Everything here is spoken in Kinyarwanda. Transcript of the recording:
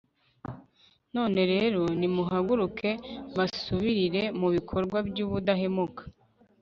none rero, nimuhaguruke mbasubirire mu bikorwa by'ubudahemuka